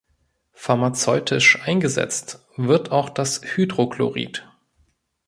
Pharmazeutisch eingesetzt wird auch das Hydrochlorid.